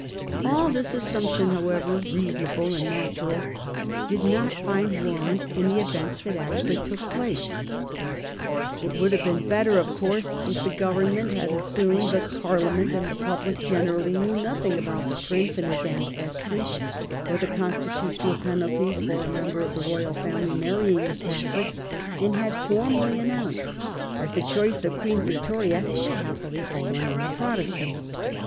All this assumption, however reasonable and natural, did not find warrant in the events that actually took place. 148 A HISTORY OF OUR OWN TIMES. oh. vi r. It would have been better of course if the Govern ment had assumed that Parliament and the public generally knew nothing about the Prince and his ancestry, or the constitutional penalties for a member of the Royal Family marrying a Catholic, and had formally announced that the choice of Queen Yictoria had happily fallen on a Protestant.